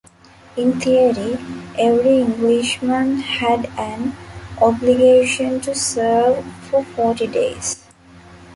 In theory, every Englishman had an obligation to serve for forty days.